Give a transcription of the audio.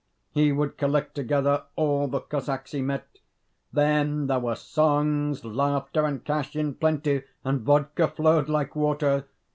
He would collect together all the Cossacks he met; then there were songs, laughter, and cash in plenty, and vodka flowed like water....